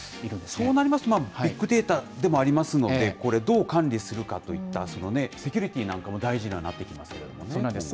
そうなりますと、ビッグデータでもありますので、これ、どう管理するかといったセキュリティーなんかも大事になってきまそうなんです。